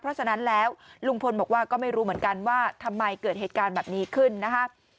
เพราะฉะนั้นแล้วลุงพลบอกว่าก็ไม่รู้เหมือนกันว่าทำไมเกิดเหตุการณ์แบบนี้ขึ้นนะคะ